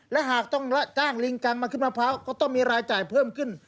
และหากต้องจ้างลิงกังมาขึ้นมะพร้าวก็ต้องมีรายจ่ายเพิ่มขึ้น